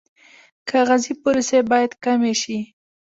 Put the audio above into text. کاغذي پروسې باید کمې شي